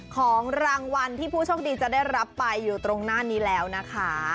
ของรางวัลที่ผู้โชคดีจะได้รับไปอยู่ตรงหน้านี้แล้วนะคะ